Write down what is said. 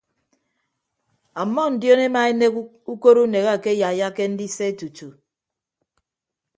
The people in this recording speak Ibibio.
Ọmmọ ndion emaenek ukot unek akeyaiyake ndise tutu.